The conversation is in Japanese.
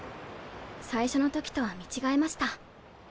最初の時とは見違えました。